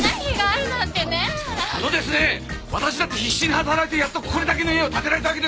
あのですねわたしだって必死に働いてやっとこれだけの家を建てられたわけですよ。